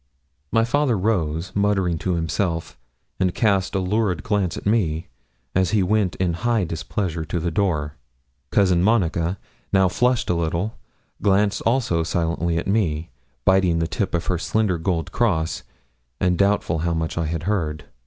My father rose, muttering to himself, and cast a lurid glance at me, as he went in high displeasure to the door. Cousin Monica, now flushed a little, glanced also silently at me, biting the tip of her slender gold cross, and doubtful how much I had heard.